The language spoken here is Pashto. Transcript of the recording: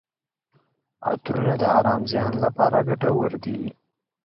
عطرونه د ارام ذهن لپاره ګټور دي.